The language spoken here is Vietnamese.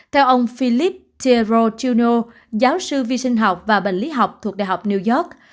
theo ông philip tiero juno giáo sư vi sinh học và bệnh lý học thuộc đại học new york